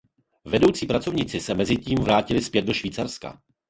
Vedoucí pracovníci se mezitím vrátili zpět do Švýcarska.